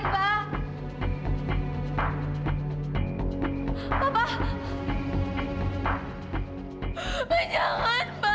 bapak mau ngapain pak